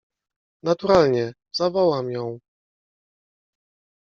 — Naturalnie… zawołam ją.